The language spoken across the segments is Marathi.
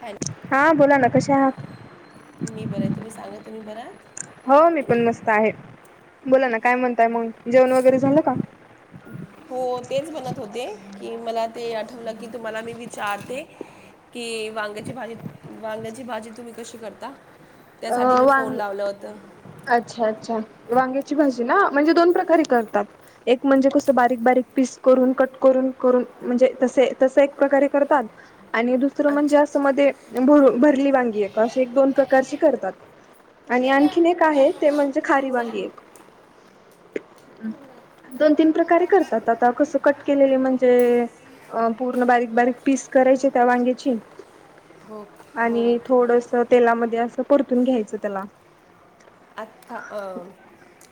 हॅलो हा बोला ना कश्या आ मी बरंय तुम्ही सांगा तुम्ही बरात? हो मी पण मस्त आहे. बोला ना काय म्हणताय मग जेवण वगैरे झालं का? हो तेच बनत होते की मला ते आठवलं की तुम्हाला मी विचारते की वांग्याची भाजी वांग्याची भाजी तुम्ही कशी कर अ वांग होतं अच्छा अच्छा वांग्या ची भाजी ना म्हणजे दोन प्रकारे करतात एक म्हणजे कसं बारीक बारीक पिस करून कट करून करून म्हणजे तसे तस एक प्रकारे करतात आणि दुसरं म्हणजे अच्छा असं अच्छा. मध्ये भरू भरली वांगी एक अशी एक दोन प्रकारची करतात. आणि आणखीन एक आहे ते म्हणजे खारी वांगी एक अ. दोन तीन प्रकारे करतात आता कसं कट केलेले म्हणजे अं पूर्ण बारीक बारीक पीस करायचे त्या वांग्याची हो क- हो आणि थोडसं तेलामध्ये असं परतून घ्यायचं त्याला. आता अं,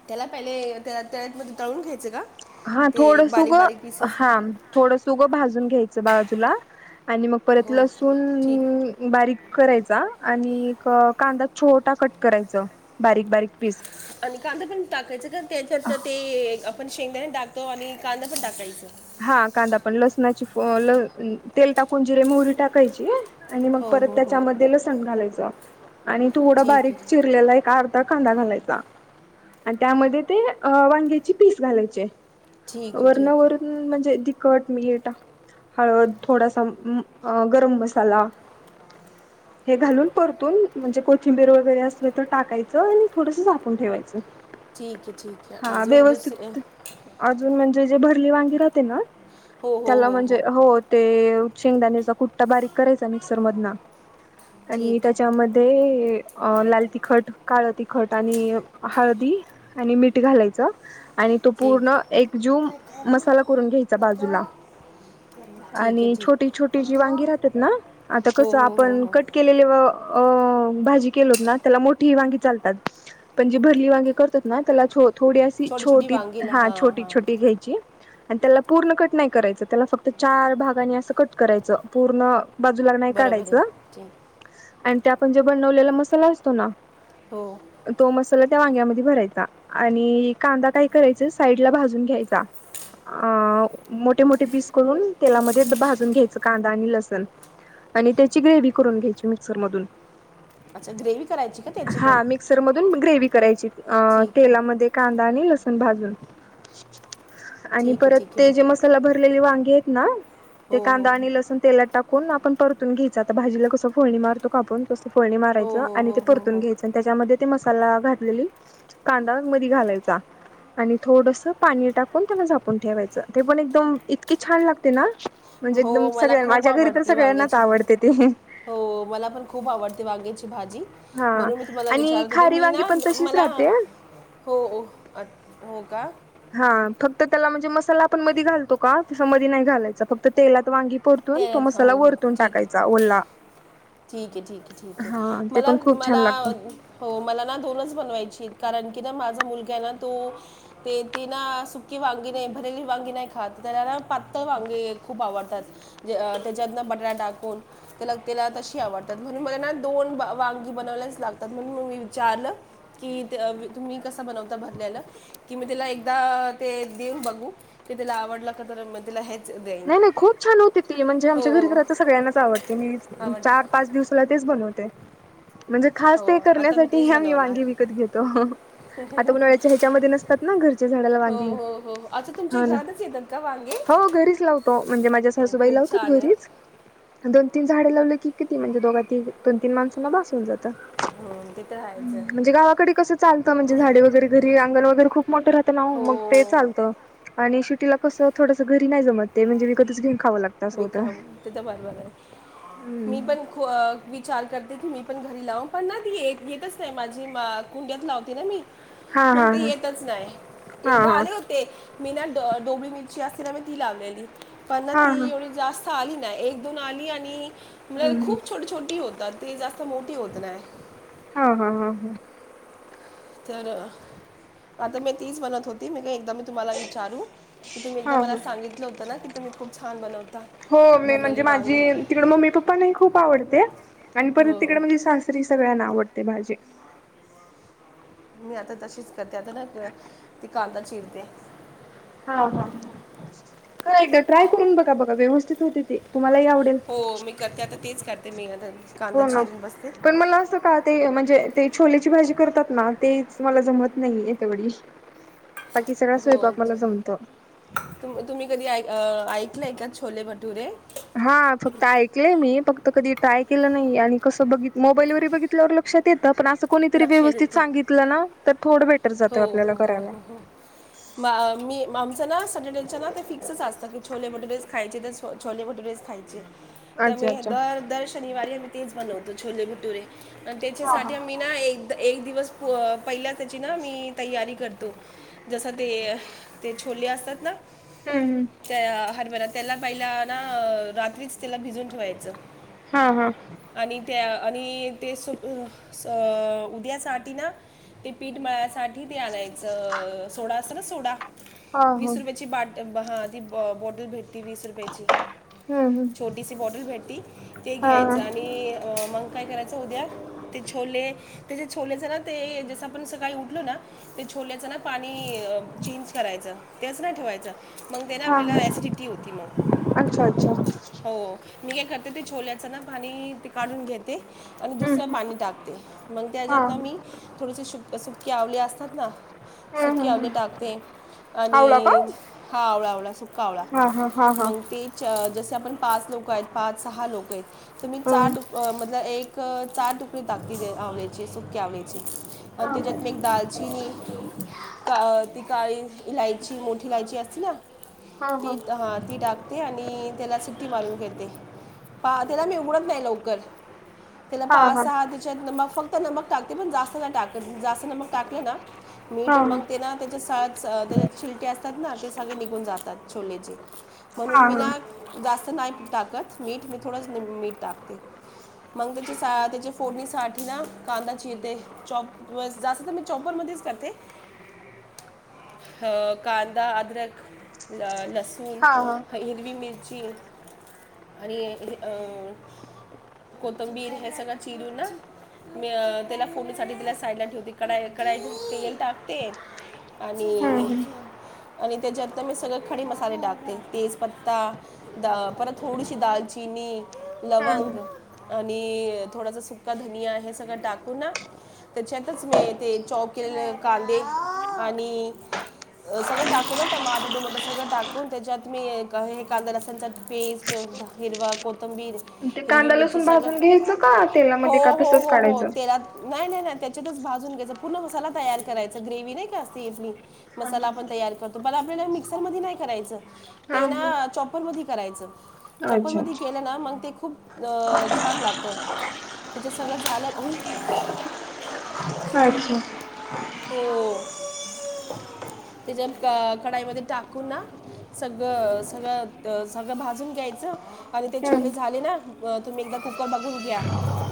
त्याला पहिले त्या त्यात मध्ये तळून घ्यायचं का? हा ते थोडसं उग बारीक बारीक पीसेस हा थोडसं उग भाज घ्यायचं बाजूला आणि मग परत हो लसूण ठीक बारीक करायचं आणि एक कांदा छोटा कट करायचं बारीक बारीक पीस आणि कांदा पण टाकायचं का त्याच्या ते आपण शेंगदाने टाकतो आणि कांदा पण टाकायचं. हा कांदा पण लसणाची तेल टाकून जिरे, मोहरी टाकायची आणि मग हो परत हो हो त्याच्यामध्ये लसण घालायचं आणि थोडं ठीक बारीक आहे चिरलेला एक अर्ध कांदा घालायचा आणि त्यामध्ये ते वांग्याचे पीस घालायचे. ठीकये ठीकये. वरणावरून म्हणजे तिखट, मीठ हळद, थोडासा अ आ गरम मसाला. [inaudible] हे घालून परतून म्हणजे कोथिंबीर वगैरे असली तर टाकायचं आणि थोडस झापून ठेवायचं. ठीकये ठीकये हा अजून दुस अ व्यवस्थित अजून म्हणजे जे भरली वांगी राते ना हो हो त्याला हो म्हणजे हो ते शेंगदाण्याचा कुट्टा बारीक करायचा मिक्सरमधन आणि ठीक आहे त्याच्यामध्ये अ लाल तिखट, काळं तिखट आणि हळदी आणि मीठ घालायचं. आणि तो पूर्ण ठीक एक जूम मसाला करून घ्यायचा बाजूला. ठीक आहे आणि ठीक छोटी छोटी जी वांगी राहतात ना आता हो कसं हो हो आपण हो कट केलेले व अ भाजी केलोत ना त्याला मोठी वांगी चालतात. पण जी भरली वांगी करतात ना त्याला छो थोडी अशी छोटी वांगीला हा हां छोटी हां छोटी घ्यायची. आणि त्याला पूर्ण कट नाही करायचं त्याला फक्त चार भागाने असं कट करायचं पूर्ण बाजूला नाही बरोबर आहे काढायचं ठीक आणि ते आपण जे बनवलेला मसाला असतो ना हो. तो मसाला त्या वांग्यामध्ये भरायचा आणि कांदा काय करायचं साईड ला भाजून घ्यायचा. अ मोठे मोठे पीस करून तेलामध्ये भाजून घ्यायचं कांदा आणि लसण आणि त्याची ग्रेव्ही करून घ्यायची मिक्सर मधून. अच्छा ग्रेव्ही करायची का त्याची पण हा मिक्सर मधून ग्रेवी करायची. अ ठीक आहे तेलामध्ये कांदा आणि लसुन भाजून. आणि ठीक आहे परत ठीक आहे ते जे बरं. मसाला भरलेले वांगी आहेत ना, ते हो कांदा हो आणि लसूण तेलात टाकून आपण परतून घ्यायच. आता भाजीला कसं फळणी मारतो का आपण कसं फळणी हो माराचं हो आणि ते हो परतून हो घ्यायच् त्याच्यामध्ये ते मसाला घातलेली कांदा मदी घालायचा. आणि थोडस पाणी टाकून त्याला झाकू कुण ठेवायचं. ते पण एकदम इतकी छान लागते ना हो म्हणजे एकदम हो मला सगळ्यां, खूप माझ्या घरी तर आवडती सगळ्यांनाच वांग्याची भाजी आवडते ती हो मला पण खूप आवडते वांग्याची भाजी हा म्हणून मी तुम्हाला आणि विचारत होते. खारी मी वांगी ना पण तशीच मला राहते हो. हो का? हा. फक्त त्याला म्हणजे मसाला आपण मदी घालतो का, तसं मदी नाही घालायचा फक्त तेलात वांगी ते परतून तो हो मसाला हो वरतून ठीक आहे टाकायचा, ओल्ला. ठीक आहे ठीक आहे ठीक आहे. मला खूप छान मला लागतं हो मला ना दोनच बनवायचीत कारण कि माझ मुलगा आहे ना तो, ते ना सुकी वांगी नाही भरली वांगी नाही खात. त्याला ना पा तळ वांगे खूप आवडतात. त्याच्यात ना बटाटा टाकून त्याला त्याला तशी आवडतात. म्हणून मला ना दोन वांगी बनव यलाच लागतात म्हणून मी विचारलं कि तुम्ही कसा बनवता भरलेलं, कि मी तेला एकदा ते देऊन बघू. कि तेला आवडलं का तर म तेला हे नाही नाही खूप छान हो ती म्हणजे आमच्या घरी घरा तर सगळ्यांनाच आवडते. मी आवडतं चार पाच दिवसाला तेच बनवते. [unintelligible] म्हणजे खास ते आता मी करण्यासाठी तेच आम्ही बनवणार वांगी विकत घेतो. आता उन्हाळ्याच्या ह्याच्यामध्ये नसतात ना घरच्या झाडाला हो वांगी हो हो अच्छा तुमच्या हा ना. घरातच येतात का वांगे हो घरीच लावतो म्हणजे माझ्या हो सासूबाई खूप लावतात छान घरीच, आहेत दोन तीन झाडे लावल ल की किती म्हणजे दोघा त दोन तीन माणसांना बास होऊन जात. हो तिथं राहायचं हम्म म्हणजे गावाकडे कस चालतं, म्हणजे झाडे वगैरे घरी अंगण वगैरे खूप मोठं राहतं ना ओ हो मग तेच चालत आणि सिटीला कसं थोडं घरी जमतच नाही ना म्हणजे विकतच घेऊन खावं लागतं असं होतं. विकम तिथ बरबर हाय. मी हम्म पण ख विचार करते की मी पण घरी लाव पण ना ती येतच नाही माझी, कुंड्यात लावते ना मी. हा हा मग ते येतच नाही. हा हा एकदा हा आले होते मीना डोबळी मिरची असती न म ती लावलेली. पण ना हा ती हा एवढी जास्त आली नाही एक दोन आली आणि म्ह हम्म खूप छोट छोटी होतात ते जास्त मोठी होत नाय. हा हा हा हा. तर आता मी तीच बनत होती. मी काय एक मी तुम्हा विचारू, की तुम्ही एकदा हा मला हा सांगितलं होतं ना की तुम्ही खप छान बनवता. हो मी भरलेली म्हणजे वांग माझी तिकड मम्मी पप्पा नाही खूप आवडते आणि परत हो तिकडे म्हणजे सगळ्यांना आवडते भाजी. मी आता तशीच करते आता ना ती कांदा चिरते. हा हा करा एकदा ट्राय करून बघा बघा व्यवस्थित होते ती. तुम्हालाही आवडेल. हो मी करते आता तेच करते मी आता कांदा हो ना चिरून बसते पण मला असं का ते म्हणजे ते छोलेची भाजी करतात ना ते मला जमत नाहीये तेवढी. बाकी सगळा हो स्वयंपाक मला जमत. तुम तुम्ही कधी ऐक अ ऐकलंय का छोले भटुरे. हा फक्त ऐकलंय मी फक्त कधी ट्राय केलं नाही, आणि कस बित मोबाईलवर बघितल्यावर लक्षात येत कोणीतरी लक्ष व्यवस्थित देतो सांगितलं ना, तर थोडं बेटर जात आपल्याला करायला. मा-मी आमचं ना स्याटरडेच ना ते फिक्सच असतं की छोले, भटुरेचं खायचं. हो छोले-भटुरेच खायचे, अच्छा त्यामुळे अच्छा. दर दर शनिवारी आम्ही तेच बनवतो छोले-भटुरे. पण हा हा त्याच्यासाठी आम्ही ना एक, एक दिवस पहिला त्याची ना मी तयारी करते. जसं ते ते छोले असतात ना, हम्म हम्म. त्या हरभर त्याला पहिला ना रात्रीच त्याला भिजून ठेवायचं. हा हा. आणि त्या आणि ते सप स उद्यासाठी ना ते पीठ मळायसाठी किथ ते आणायचं सोडा अस ना सोडा हा हो. वीस रुपयाची बाट हां ती बॉ ती वीस रुपयाची हम्म हम्म छोटीशी बॉटल भेटती ते हा हा घ्यायचं आणि मग काय करायचं उद्या ते छोले त्याच्या छोल्याचं ना ते जसं आपण सकाळी उठलो ना ते छोलेचं ना पाणी चेंज करायचं ते असं नाही ठेवायचं मग त्यनं हा आपल्याला हा. एसिडीटी होती मग. अच्छा अच्छा हम्म. हो मी हे कर ते छोल्याचं ना पाणी ते काढून घेते आणि दुसरं हम्म. पाणी टाकते. मग हा त्याच्यातं हा. ना मी थोडंसे श सुके आवले असतात ना, हम्म सुके हम्म हम्म आवले टाकते. आवला का आणि हा आवळा-आवळा सुका आवळा, हा हा हा हा. मग ते ज जसं आपण पाच लोकं आहेत पाच, सहा लोकं आहेत. तर मी हो. चार म एक चार टाकती आवळ्याची सुके आवळ्याची हा आणि हा त्याच्यात मी एक दालचिनी का-ती काळी इलायची, मोठी इलायची असती ना ती हा ती टाकते आणि त्याला सिट्टी मारून घेते. पा त्याला मी उघडत नाही लवकर. त्याला हा हा हा पा-सहा त्याच्यात मग फक्त नमक टाकते. पण जास्त नाही टाकत, जास्त नमक टाकलं ना मीठ हा मगते ना त्याच्या सा अ तेजात छीलटे असतात ना, ते सगळे निघून जातात छोलेचे म्हणून हा हा मी ना जास्त नाही टाकत मीठ, मी थोडच मीठ टाकते. मग त्याची सा त्याची फोडणीसाठी ना कांदा चिरते, चौप व जास्त मी चौपवर मधेच करते. अह कांदा, अदरक अ लसू सून हा हा हिरवी मिर्च ची आणि हे-अ कोतंबीर हे सगळं चिरून मी त्याला फोडणीसाठी त्याला साईडला ठेवते. कडा कडाईत तेल टाकते हम्म आणि हम्म आणि त्याच्यात तं मी सगळे खडे मसाले टाकते. तेज पत्ता, डा परत थोडीशी दालचि नी हा लवंग हा आणि थोडासा सुका धनिया हे सगळं टाकू ना, त्याच्यातच मी ते चॉप केले कांदे आणि सगळं टाकून ना, टमाटर टुमाटं सगळं टाकून त्याच्यात मी हे कांदा-लसणाचे पेस्ट हिरवा कोथिंबीर ते कांदा-लसून भाजून घ्यायचं का? तेलामध्ये का तसच हो-हो-हो-हो काढायचं तेलात, नाही-नाही-नाही त्याच्यातच भाजून घ्यायचा. पूर्ण मसाला तयार करायचा. ग्रेव्हि नाही का ती हि, मसाला आपण तयार करतो आपल्याला मिक्सरमध्ये नाही करायचं हा हा तेना चॉपर मध्ये करायचं. अच्छा चॉपरमध्ये अच्छा केलं ना मग ते खूप छान लागतं. त्याच्या सगळं झालं आणखी हो तेच्या कढाईमध्ये टाकून ना सगळं-सगळं-सगळं भाजून घ्यायचं आणि ते छोले हम्म झाले ना, तुम्ही एकदा कुकर बघून घ्या.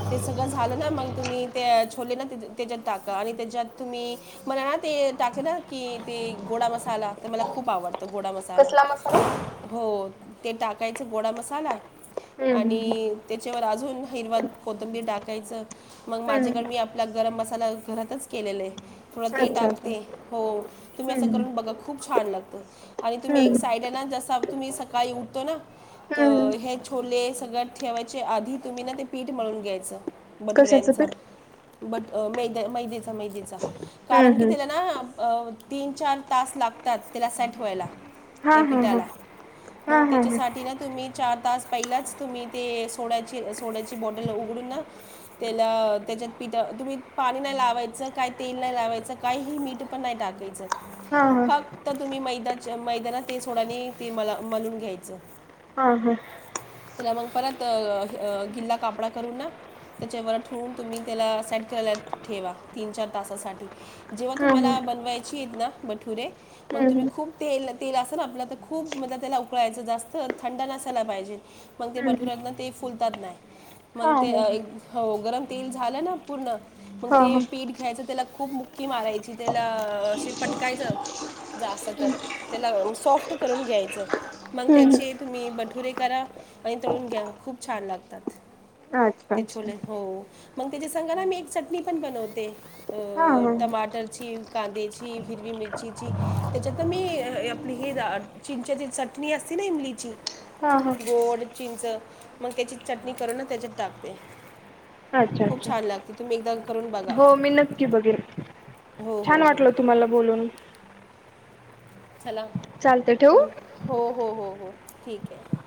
ते सगळं झालं ना, मग तुम्ही ते छोले ना त्याच्यात टाका, आणि त्याच्यात तुम्ही मला ना ते टाक की ते गोड मसाला तर मला खूप आवडत गोडा मसाला कसला मसाला हो ते टाकायच, गोडा मसाला हम्म हम्म आणि त्याच्यावर अजून हिरवा कोथंबीर टाकायचं मग हम्म माझ्याकडे मी आपला गरम मसाला घरातच केलेला आहे थोडं अच्छा ते अच्छा टाकते हो तुम्ही असं हम्म करून बघा खूप छान लागतं आणि तुम्ही एक हम्म साइड ना जसा तुम्ही सकाळी उठतो ना हम्म तर हे छोले सगळं ठेवायचे आधी तुम्ही ना ते पीठ म्हणून घ्यायचं कशाचं बठुऱ्यांचा पीठ बट मैद्याचा मैद्याचा हम्म कारण की हम्म त्याला ना तीन चार तास लागतात त्याला सेट व्हायला हा त्या हा हा पिठाला हा मग हा हा त्याच्यासाठी ना तुम्ही चार तास पहिलाच तुम्ही ते सोड्याचे सोड्याचे बॉटल उघडून ना त्या त्याच्या पीठ तुम्ही पाणी नाही लावायच काय तेल नाही काही मीठ पण नाही टाकायचं. हा हा फक्त तुम्ही मैदा मैदाना ते सोडाने ते म मलून घ्यायचं हा हा त्याला मग परत गिल्ला कापडा करून ना, त्याच्या बर ठेऊन तुम्ही त्याला सेट करायला ठेवा तीन चार तासासाठी जेव्हा हा हा हम्म तुम्हाला बनवायची, बठूरे मग तुम्ही हम्म तेल अस ना म त्याला खूप उकळायचं थंड नसायला पाहिजे, मग ते हम्म बटूरत ना ते फुलतात नाही हा मग ते हा हो गरम तेल झालं ना पूर्ण मग हा ते हा पीठ घ्यायचं त्याला खूप मुक्की मारायची त्याला असे पटकायचं जास्त तर त्याला सॉफ्ट करून घ्यायचं मग हम्म त्याचे तुम्ही बठुरे करा आणि तळून घ्या खूप छान लागतात. अच्छा ते अच्छा छोले हो, मग त्याची सग ना मी एक चटणी पण बनवते हा हा टमाटरची कांद्याची, हिरवी मिरचीची, त्याच्यात मी आपली हे चिंच्याची चटणी असते, त नाही इमलीची, हा हा गोड चिंच मग त्याची चटणी करून त्याच्यात टाकते. अच्छा खूप अच्छा छान लागते तुम्ही एकदा करून बघा हो मी नक्की बघेल. हो छान हो हो वाटल तुम्हाला बोलून. चला चालते तु ठेवू हो हो हो हो ठीक आहे.